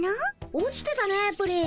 落ちてたねプリン。